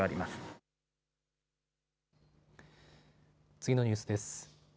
次のニュースです。